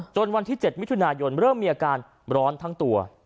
วันที่๗มิถุนายนเริ่มมีอาการร้อนทั้งตัว